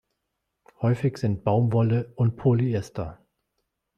Häufig sind Baumwolle und Polyester.